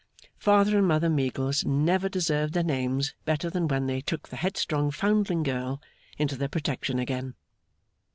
Father and Mother Meagles never deserved their names better than when they took the headstrong foundling girl into their protection again.